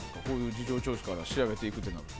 事情聴取から調べていくとなると。